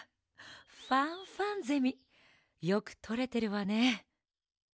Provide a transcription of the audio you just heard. ファンファンゼミよくとれてるわね。